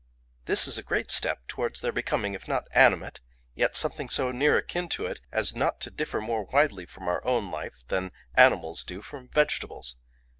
This is a great step towards their becoming, if not animate, yet something so near akin to it, as not to differ more widely from our own life than animals do from vegetables.